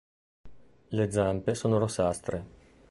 Le zampe sono rossastre.